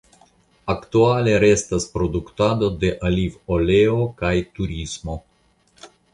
Aktuale restas produktado de olivoleo kaj turismo.